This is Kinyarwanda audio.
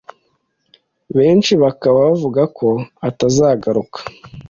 Benshi bakaba bavuga ko atazagaruka